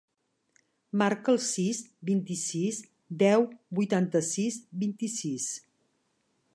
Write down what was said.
Marca el sis, vint-i-sis, deu, vuitanta-sis, vint-i-sis.